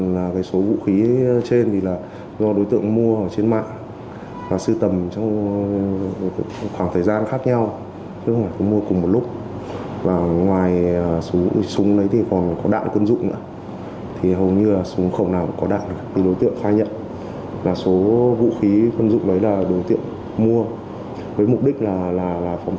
là số vũ khí quân dụng đấy là đối tiện mua với mục đích là phòng thân với cả sư tầm